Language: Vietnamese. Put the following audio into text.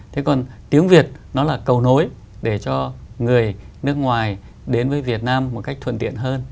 thế còn tiếng việt nó là cầu nối để cho người nước ngoài đến với việt nam một cách thuận tiện hơn